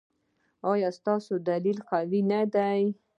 ایا ستاسو دلیل قوي نه دی؟